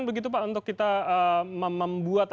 begitu pak untuk kita membuat